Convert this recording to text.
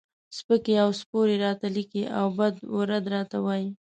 سپکې او سپورې راته لیکي او بد و رد راته وایي.